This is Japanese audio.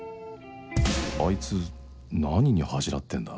あいつ何に恥じらってんだ？